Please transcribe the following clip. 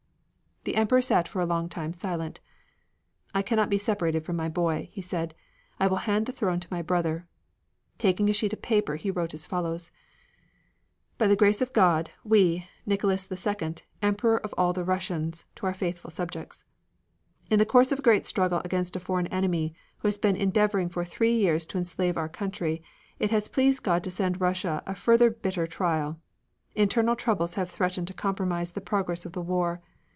The Emperor sat for a long time silent. "I cannot be separated from my boy," he said. "I will hand the throne to my brother." Taking a sheet of paper he wrote as follows: By the Grace of God, We, Nicholas II, Emperor of all the Russias, to all our faithful subjects: In the course of a great struggle against a foreign enemy, who has been endeavoring for three years to enslave our country, it has pleased God to send Russia a further bitter trial. Internal troubles have threatened to compromise the progress of the war.